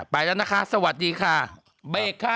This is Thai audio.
ไปแล้วนะคะสวัสดีค่ะเบรกค่ะ